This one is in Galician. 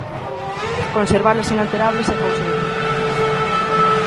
Conservalas inalterables é cousa de todos.